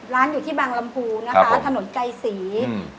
ร้านอยู่ที่บางลำพูนะคะถนนไกรศรีอืม